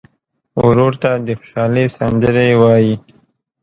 ورور ته د خوشحالۍ سندرې وایې.